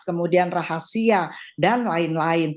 kemudian rahasia dan lain lain